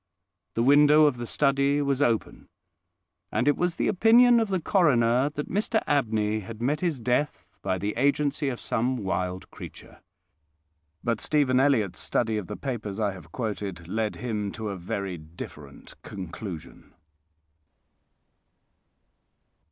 The window of the study was open, and it was the opinion of the coroner that Mr Abney had met his death by the agency of some wild creature. But Stephen Elliott's study of the papers I have quoted led him to a very different conclusion.